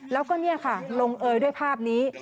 แล้วก็นี่ค่ะลงเอยด้วยภาพนี้